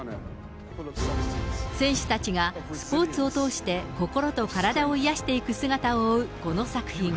選手たちがスポーツを通して、心と体を癒やしていく姿を追うこの作品。